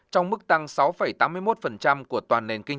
trong mức tăng sáu tám mươi một của toàn nền